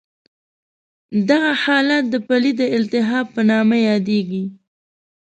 دغه حالت د پلې د التهاب په نامه یادېږي.